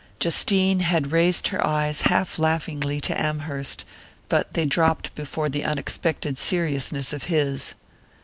Justine had raised her eyes half laughingly to Amherst, but they dropped before the unexpected seriousness of his.